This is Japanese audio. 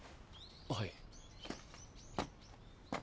はい。